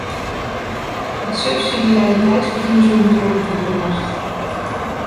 Het subsidiariteitsbeginsel moet worden toegepast.